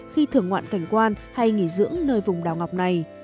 khi thưởng ngoạn cảnh quan hay nghỉ dưỡng nơi vùng đào ngọc này